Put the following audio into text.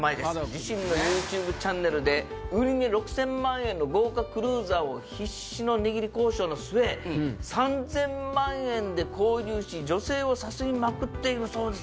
自身のＹｏｕＴｕｂｅチャンネルで売値６０００万円の豪華クルーザーを必死の値切り交渉の末３０００万円で購入し女性を誘いまくっているそうです。